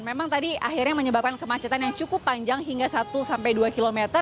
memang tadi akhirnya menyebabkan kemacetan yang cukup panjang hingga satu sampai dua km